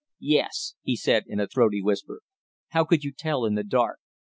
"Yes," he said in a throaty whisper. "How could you tell in the dark?"